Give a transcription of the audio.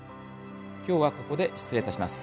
今日はここで失礼します。